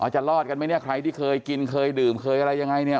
จะรอดกันไหมเนี่ยใครที่เคยกินเคยดื่มเคยอะไรยังไงเนี่ย